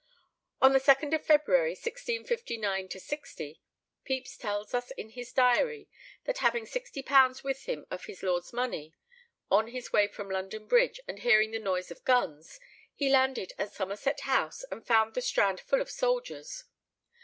On the 2d of February, 1659 60, Pepys tells us in his diary, that having £60 with him of his lord's money, on his way from London Bridge, and hearing the noise of guns, he landed at Somerset House, and found the Strand full of soldiers.